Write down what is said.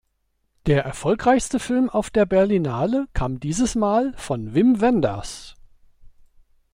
Der erfolgreichste Film auf der Berlinale kam dieses Mal von Wim Wenders.